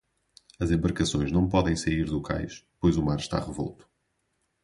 As embarcações não podem sair do cais, pois o mar está revolto.